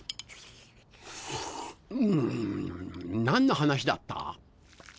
何の話だった？